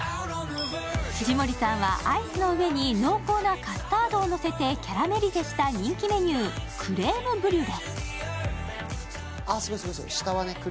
藤森さんはアイスの上に濃厚なカスタードをのせてキャラメリゼした人気のメニュー、クレームブリュレ。